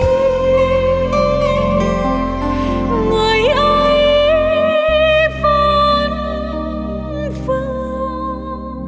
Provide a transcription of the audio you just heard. người ấy vấn vương